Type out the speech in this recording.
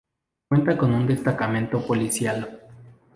Cuenta con un destacamento policial.